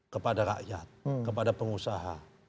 kepada rakyat kepada pengusaha